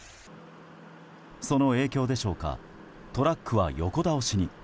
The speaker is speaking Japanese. その影響でしょうかトラックは横倒しに。